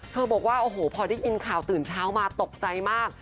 เธอบอกว่าพอได้ยินข่าวตื่นเช้ามาตกใจมาก